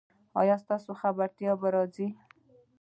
ایا ستاسو خبرتیا به راځي؟